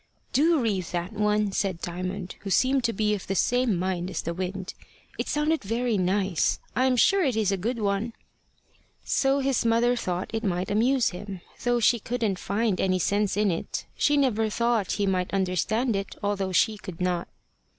"Do read that one," said Diamond, who seemed to be of the same mind as the wind. "It sounded very nice. I am sure it is a good one." So his mother thought it might amuse him, though she couldn't find any sense in it. She never thought he might understand it, although she could not.